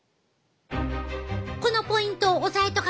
このポイントを押さえとかんと